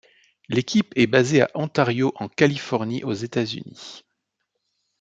L'équipe est basée à Ontario en Californie aux États-Unis.